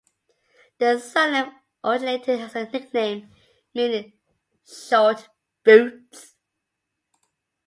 The surname originated as a nickname meaning "short boots".